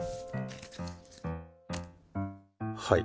はい。